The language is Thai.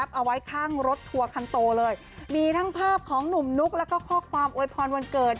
เอาไว้ข้างรถทัวร์คันโตเลยมีทั้งภาพของหนุ่มนุ๊กแล้วก็ข้อความอวยพรวันเกิด